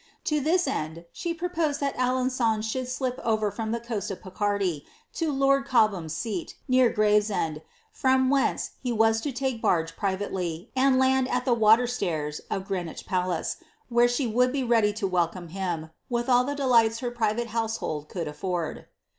To this end, she proposed that Aleni; on s over from tbe coast of Picardy, to lord Cohliam's seat, near < from whence he was to take barge privately, and land it tlie v of Greenwich palace, where she would be ready to welcome all the delights her private household could alford.'